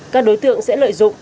các đối tượng sẽ lợi dụng